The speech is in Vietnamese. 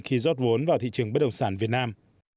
khi rót vốn vào thị trường bất động sản việt nam